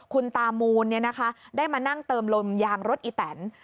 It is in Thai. คุณตามูลได้มานั่งเติมลมยางรถอีแตน